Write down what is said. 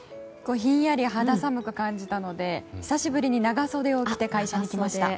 ひんやり肌寒く感じたので久しぶりに長袖を着て会社に来ました。